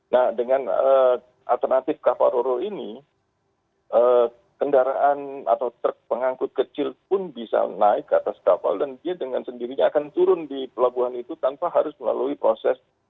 nah dengan alternatif kapal roro ini kendaraan atau truk pengangkut kecil pun bisa naik ke atas kapal dan dia dengan sendirinya akan turun di pelabuhan itu tanpa harus melalui proses